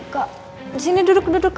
kak disini duduk duduk